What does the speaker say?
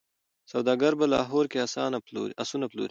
سوداګر په لاهور کي آسونه پلوري.